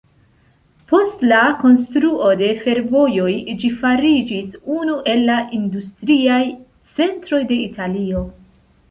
Post la konstruo de fervojoj ĝi fariĝis unu el la industriaj centroj de Italio.